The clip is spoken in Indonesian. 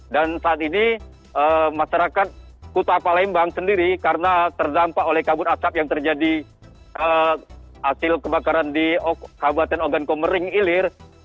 dan saat ini masyarakat kutapa lembang sendiri karena terdampak oleh kabut asap yang terjadi asil kebakaran di kabupaten ogan komering ilir